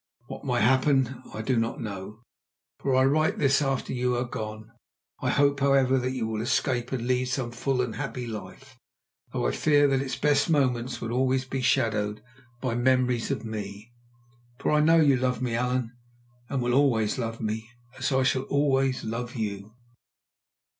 "What may happen I do not know, for I write this after you are gone. I hope, however, that you will escape and lead some full and happy life, though I fear that its best moments will always be shadowed by memories of me. For I know you love me, Allan, and will always love me, as I shall always love you.